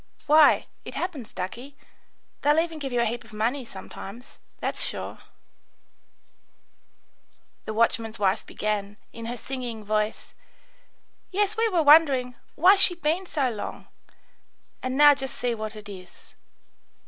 Why, it happens, ducky, they'll even give you a heap of money sometimes, that's sure," the watchman's wife began, in her singing voice: "Yes, we were wondering, 'Why's she so long?' And now just see what it is.